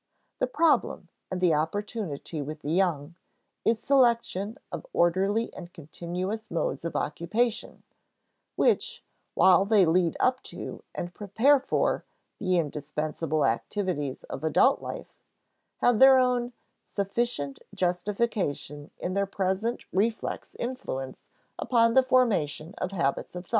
The problem and the opportunity with the young is selection of orderly and continuous modes of occupation, which, while they lead up to and prepare for the indispensable activities of adult life, have their own sufficient justification in their present reflex influence upon the formation of habits of thought.